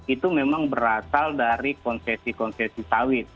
itu memang berasal dari konsesi konsesi sawit